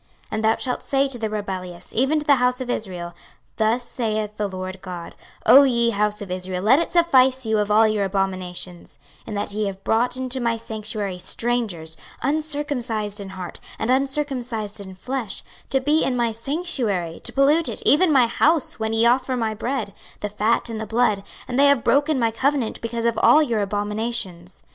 26:044:006 And thou shalt say to the rebellious, even to the house of Israel, Thus saith the Lord GOD; O ye house of Israel, let it suffice you of all your abominations, 26:044:007 In that ye have brought into my sanctuary strangers, uncircumcised in heart, and uncircumcised in flesh, to be in my sanctuary, to pollute it, even my house, when ye offer my bread, the fat and the blood, and they have broken my covenant because of all your abominations.